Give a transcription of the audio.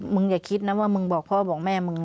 อย่าคิดนะว่ามึงบอกพ่อบอกแม่มึง